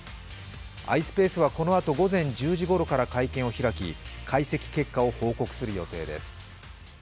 ｉｓｐａｃｅはこのあと午前１０時ごろから会見を開き解析結果を報告する予定です。